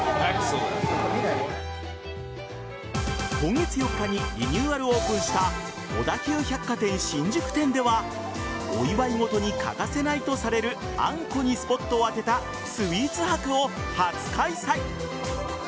今月４日にリニューアルオープンした小田急百貨店新宿店ではお祝いごとに欠かせないとされるあんこにスポットを当てたスウィーツ博を初開催。